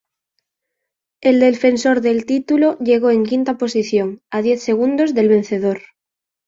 El defensor del título llegó en quinta posición, a diez segundos del vencedor.